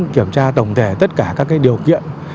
kiểm tra tổng thể tất cả các điều kiện